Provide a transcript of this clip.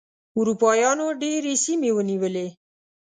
اروپایانو ډېرې سیمې ونیولې.